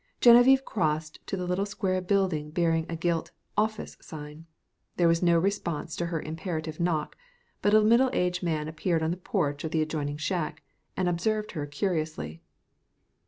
Geneviève crossed to the little square building bearing a gilt "office" sign. There was no response to her imperative knock, but a middle aged man appeared on the porch of the adjoining shack and observed her curiously.